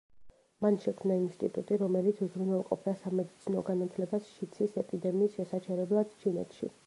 მან შექმნა ინსტიტუტი, რომელიც უზრუნველყოფდა სამედიცინო განათლებას შიდსის ეპიდემიის შესაჩერებლად ჩინეთში.